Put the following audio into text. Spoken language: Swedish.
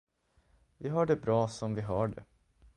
Vi har det bra, som vi har det.